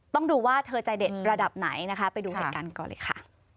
ต้องดูว่าเธอใจเด็ดระดับไหนนะคะไปดูเหตุการณ์ก่อนเลยค่ะ